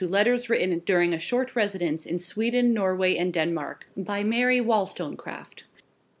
LETTERS WRITTEN DURING A SHORT RESIDENCE IN SWEDEN, NORWAY, AND DENMARK BY MARY WOLLSTONECRAFT.